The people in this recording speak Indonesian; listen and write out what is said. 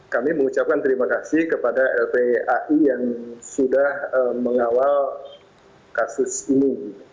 kami mengucapkan terima kasih kepada lpai yang sudah mengawal kasus ini